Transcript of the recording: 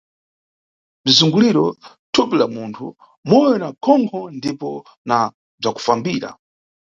Bzizunguliro, thupi la munthu, Moyo na Khonkho ndipo na bzakufambira.